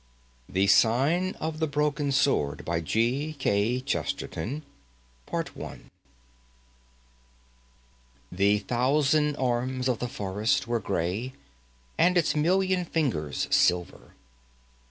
The Sign of the Broken Sword The thousand arms of the forest were grey, and its million fingers silver.